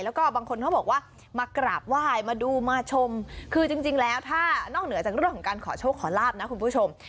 แล้วก็บางคนเขาบอกว่ามากราบไหว้มาดูมาชมคือจริงแล้วถ้านอกเหนือจากเรื่องของการขอโชคขอลาบนะคุณผู้ชม